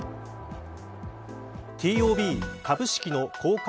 ＴＯＢ株式の公開